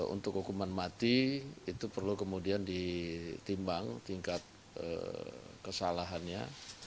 untuk hukuman mati itu perlu kemudian ditimbang tingkat kesalahannya